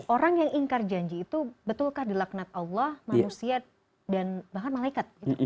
orang yang ingkar janji itu betulkah di laknat allah manusia dan bahkan malaikat